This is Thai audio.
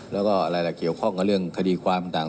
แล้วก็อะไรล่ะเกี่ยวข้องกับเรื่องคดีความต่าง